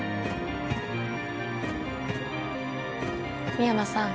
深山さん